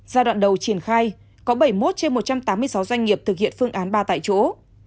giai đoạn đầu triển khai có bảy mươi một trên một trăm tám mươi sáu doanh nghiệp thực hiện phương án ba tại chỗ